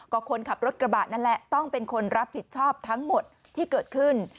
ก็คนขับรถกระบะนั่นแหละต้องเป็นคนรับผิดชอบทั้งหมดที่เกิดขึ้น